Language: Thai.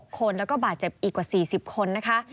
คนแล้วก็บาดเจ็บอีกกว่า๔๐คนนะคะ